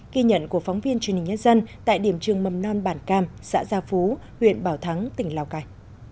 ghi nhận của phóng viên truyền hình nhân dân tại điểm trường mầm non bản cam xã gia phú huyện bảo thắng tỉnh lào cai